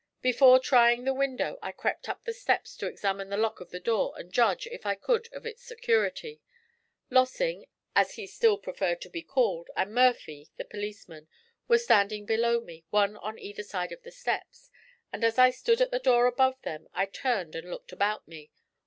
Before trying the window I crept up the steps to examine the lock of the door, and judge, if I could, of its security. Lossing, as he still preferred to be called, and Murphy, the policeman, were standing below me, one on either side of the steps, and as I stood at the door above them I turned and looked about me.